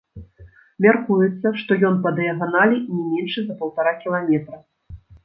Мяркуецца, што ён па дыяганалі не меншы за паўтара кіламетра.